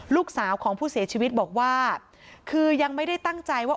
ลูกสาวของผู้เสียชีวิตบอกว่าคือยังไม่ได้ตั้งใจว่า